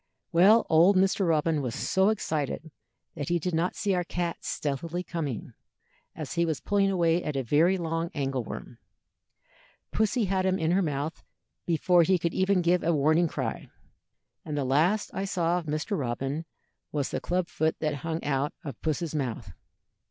Well, old Mr. Robin was so excited that he did not see our cat stealthily coming, as he was pulling away at a very long angle worm. Pussy had him in her mouth before he could even give a warning cry, and the last I saw of Mr. Robin was the club foot that hung out of Puss's mouth.